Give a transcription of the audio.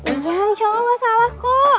iya insya allah gak salah kok